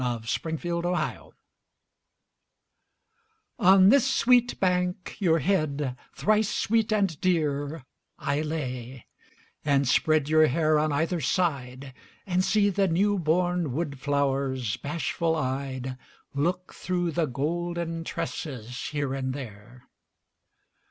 YOUTH'S SPRING TRIBUTE On this sweet bank your head thrice sweet and dear I lay, and spread your hair on either side, And see the newborn wood flowers bashful eyed Look through the golden tresses here and there.